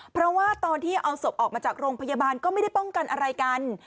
เพราะว่าตอนที่เอาศพออกมาจากโรงพยาบาลก็ไม่ได้ป้องกันอะไรกัน